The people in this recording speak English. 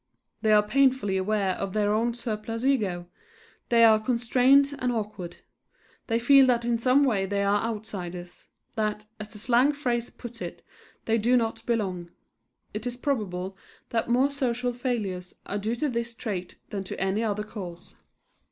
They are painfully aware of their own surplus ego; they are constrained and awkward; they feel that in some way they are outsiders, that, as the slang phrase puts it, they do not belong. It is probable that more social failures are due to this trait than to any other cause.